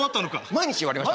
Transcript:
毎日言われました。